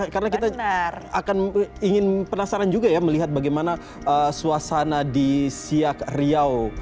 karena kita akan ingin penasaran juga ya melihat bagaimana suasana di siak riau